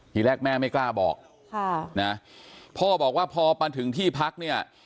ทีแรกแม่ไม่กล้าบอกค่ะนะพ่อบอกว่าพอมาถึงที่พักเนี่ย